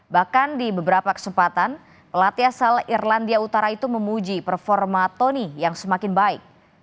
bahkan di beberapa kesempatan pelatih asal irlandia utara itu memuji performa tony yang semakin baik